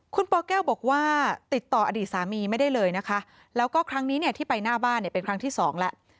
คุณปแก้วบอกว่าติดต่ออดีตสามีไม่ได้เลยนะคะแล้วก็ครั้งนี้เนี่ยที่ไปหน้าบ้านเนี่ยเป็นครั้งที่สองแล้ว